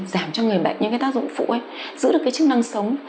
giảm cho người bệnh những cái tác dụng phụ ấy giữ được cái chức năng sống